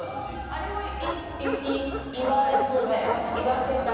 あれも言わせそう。